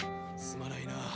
すまないなあ